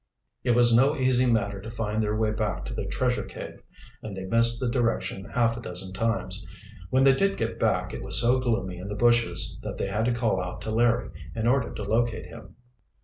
It was no easy matter to find their way back to the treasure cave, and they missed the direction half a dozen times. When they did get back it was so gloomy in the bushes that they had to call out to Larry, in order to locate him.